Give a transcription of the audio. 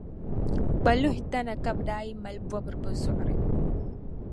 Kpaluhi tana ka bɛ daa yi mali bɔbira bɛ zuɣuri.